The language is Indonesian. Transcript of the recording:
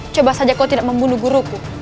coba saja kau tidak membunuh guruku